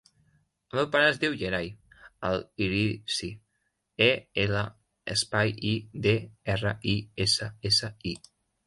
El meu pare es diu Yeray El Idrissi: e, ela, espai, i, de, erra, i, essa, essa, i.